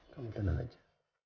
kamu tenang aja